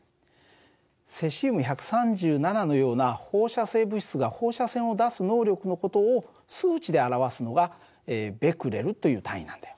セシウム１３７のような放射性物質が放射線を出す能力の事を数値で表すのがベクレルという単位なんだよ。